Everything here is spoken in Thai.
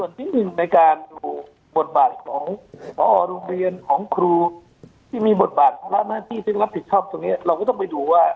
ส่วนที่หนึ่งในการดูบทบาทของพอโรงเรียนของครูที่มีบทบาทภาระหน้าที่ซึ่งรับผิดชอบตรงนี้เราก็ต้องไปดูว่า